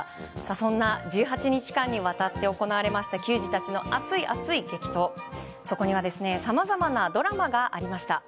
そんな１８日間にわたって行われました球児たちの熱い熱い激闘、そこにはさまざまなドラマがありました。